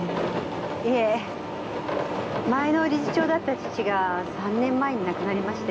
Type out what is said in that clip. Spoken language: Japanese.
いえ前の理事長だった父が３年前に亡くなりまして。